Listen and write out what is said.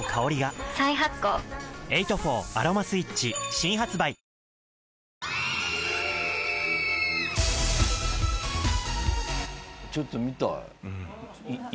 新発売ちょっと見たい。